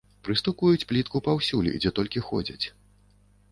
Прыстукваюць плітку паўсюль, дзе толькі ходзяць.